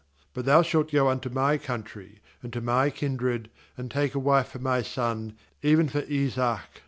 fBut thou shalt go unto my country, and to my kindred, and take a wife for my son, even for Isaac.'